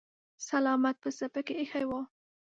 سلامت پسه پکې ايښی و.